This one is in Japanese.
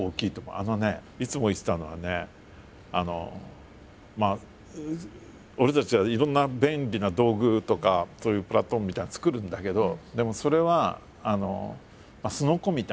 あのねいつも言ってたのはねあの俺たちはいろんな便利な道具とかそういうプラットフォームみたいなのを作るんだけどでもそれはあのすのこ。